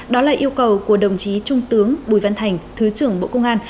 đó là yêu cầu của đồng chí trung tướng bùi văn thành thứ trưởng bộ công an